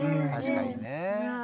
確かにね。